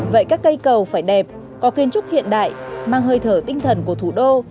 vậy các cây cầu phải đẹp có kiến trúc hiện đại mang hơi thở tinh thần của thủ đô